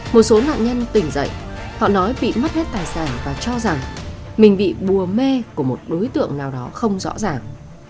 một số nạn nhân tỉnh dậy họ nói bị mất hết tài sản và cho rằng mình bị bùa mê của một đối tượng nào đó không rõ ràng